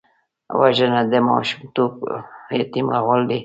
وژنه د ماشومتوب یتیمول دي